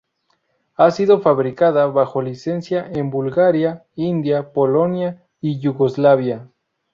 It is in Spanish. Ha sido fabricada bajo licencia en Bulgaria, India, Polonia y Yugoslavia.